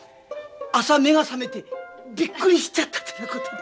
朝目が覚めてびっくりしちゃったというようなことで。